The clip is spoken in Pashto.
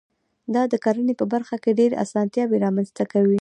دا د کرنې په برخه کې ډېرې اسانتیاوي رامنځته کوي.